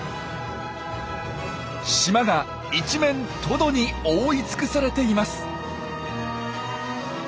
島が一面トドに覆いつくされています。